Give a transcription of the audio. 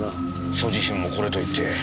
所持品もこれといって。